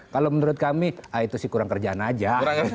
kalau menurut kami itu sih kurang kerjaan aja